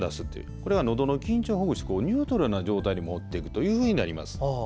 これは、のどの緊張をほぐしてニュートラルな状態に持っていくというふうになります。